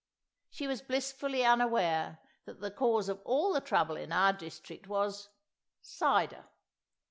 She was blissfully unaware that the cause of all the trouble in our district was—cider!